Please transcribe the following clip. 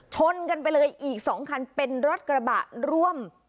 ชนกันไปเลยอีก๒คันเป็นรถกระบะร่วม